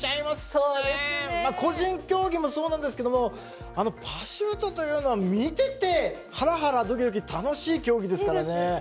まあ個人競技もそうなんですけどもパシュートというのは見ててハラハラドキドキ楽しい競技ですからね。